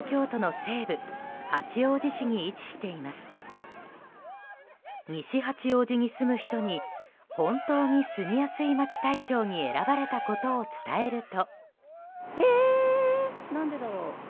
西八王子に住む人に本当に住みやすい街大賞に選ばれたことを伝えると。